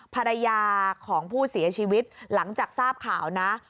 ภรรยาของผู้เสียชีวิตหลังจากทราบข่าวนะ